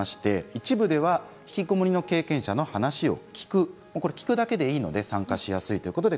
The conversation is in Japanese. １部ではひきこもり経験者の話を聞く聞くだけでいいので参加しやすい。